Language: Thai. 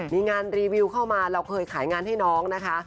มีงานรีวิวเข้ามาเราเคยขายงานให้น้องนะคะ